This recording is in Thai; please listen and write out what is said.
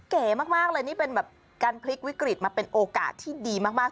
เก๋มากเลยนี่เป็นแบบการพลิกวิกฤตมาเป็นโอกาสที่ดีมาก